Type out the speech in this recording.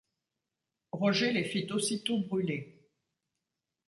Roger les fit aussitôt brûler.